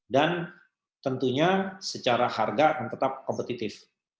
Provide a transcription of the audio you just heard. dan tentunya secara harga tetap kompetitif